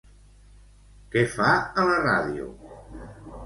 Què fa a la ràdio?